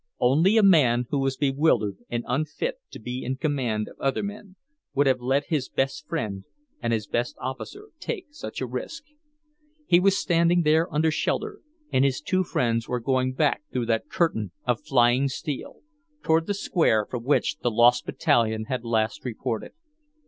Only a man who was bewildered and unfit to be in command of other men would have let his best friend and his best officer take such a risk. He was standing there under shelter, and his two friends were going back through that curtain of flying steel, toward the square from which the lost battalion had last reported.